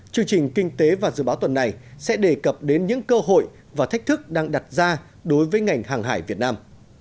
chương trình kinh tế và dự báo tuần này sẽ đề cập đến những cơ hội và thách thức đang đặt ra đối với ngành hàng hải việt nam